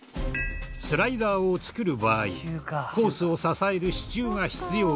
スライダーを作る場合コースを支える支柱が必要に。